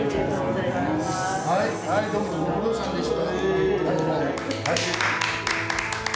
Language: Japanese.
はいどうもご苦労さんでした。